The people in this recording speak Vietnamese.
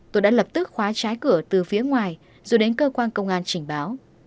tôi đã lập tức khóa trái cửa từ phía ngoài dù đến cơ quan công an chỉnh báo